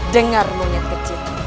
dengar munyid kecil